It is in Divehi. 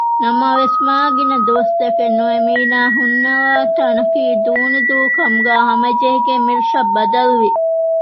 ނަމަވެސް މާގިނަދުވަސްތަކެއް ނުވެ މީނާ ހުންނަވާ ތަނަކީ ދޫނިދޫކަމުގައި ހަމަޖެހިގެން މިރަށަށް ބަދަލުވި